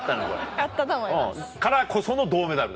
からこその銅メダルだから。